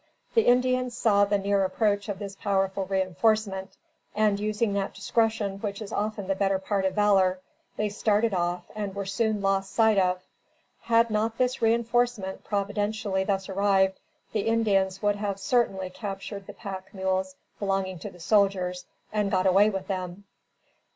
The Indians saw the near approach of this powerful reinforcement, and using that discretion which is often the better part of valor, they started off and were soon lost sight of. Had not this reinforcement providentially thus arrived, the Indians would have certainly captured the pack mules belonging to the soldiers, and got away with them.